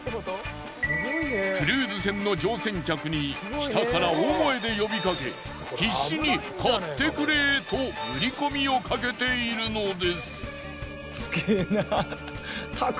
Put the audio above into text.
クルーズ船の乗船客に下から大声で呼びかけ必死に買ってくれ！と売り込みをかけているのです。